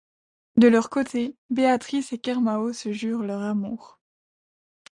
De leur côté, Béatrice et Kermao se jurent leur amour.